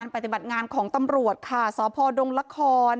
ปฏิบัติงานของตำรวจค่ะสพดงละคร